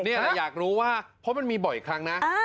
อยากรู้ว่าเพราะมันมีบ่อยครั้งนะ